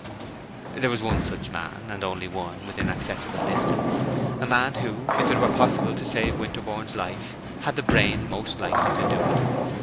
There was one such man, and only one, within accessible distance; a man who, if it were possible to save Winterborne's life, had the brain most likely to do it.